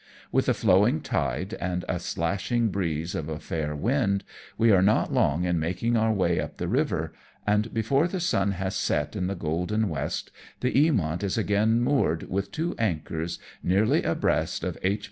With a flowing tide and a slashing breeze of a fair wind, we are not long in making our way up the river, and before the sun has set in the golden west the Eamont is again moored with two anchors nearly abreast of H.